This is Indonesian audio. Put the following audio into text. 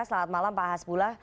selamat malam pak ahas bula